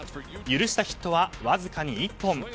許したヒットはわずかに１本。